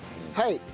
はい。